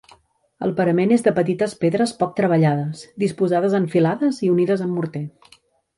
El parament és de petites pedres poc treballades, disposades en filades i unides amb morter.